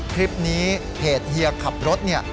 คลิปนี้เพจเฮียขับรถเนี่ย